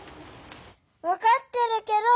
わかってるけど！